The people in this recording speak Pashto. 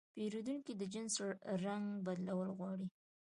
پیرودونکی د جنس رنګ بدلول غوښتل.